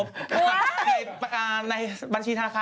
คนนนไม่ได้ใส่หัวมา